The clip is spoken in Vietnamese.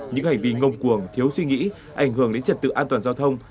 những hành vi ngông cuồng thiếu suy nghĩ ảnh hưởng đến trật tự an toàn giao thông